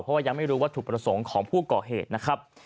เพราะว่ายังไม่รู้วัตถุประสงค์ของผู้ก่อเหตุนะครับ